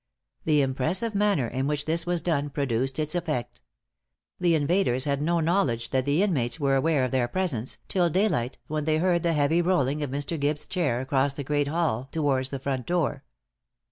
The impressive manner in which this was done produced its effect. The invaders had no knowledge that the inmates were aware of their presence, till daylight, when they heard the heavy rolling of Mr. Gibbes' chair across the great hall towards the front door.